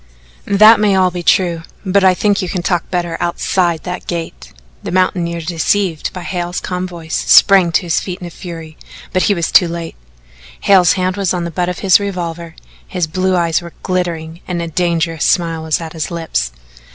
"That may all be true, but I think you can talk better outside that gate." The mountaineer, deceived by Hale's calm voice, sprang to his feet in a fury, but he was too late. Hale's hand was on the butt of his revolver, his blue eyes were glittering and a dangerous smile was at his lips.